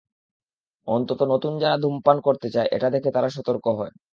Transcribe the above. অন্তত নতুন যারা ধূমপান করতে চায়, এটা দেখে তারা সতর্ক হয়।